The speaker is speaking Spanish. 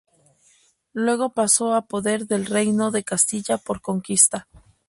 Luego pasó a poder del Reino de Castilla por conquista.